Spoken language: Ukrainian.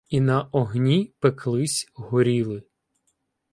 І на огні пеклись, горіли.